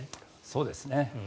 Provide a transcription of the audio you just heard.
そうですね。